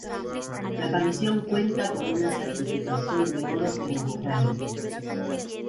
La canción cuenta con una certificación de Oro en Australia.